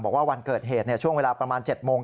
บอกว่าวันเกิดเหตุช่วงเวลาประมาณ๗โมง